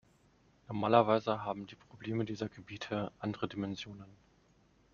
Normalerweise haben die Probleme dieser Gebiete andere Dimensionen.